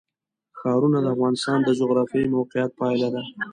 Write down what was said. ښارونه د افغانستان د جغرافیایي موقیعت پایله ده.